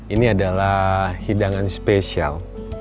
ini adalah hidangan spesial